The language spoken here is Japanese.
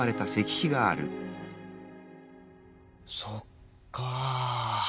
そっか。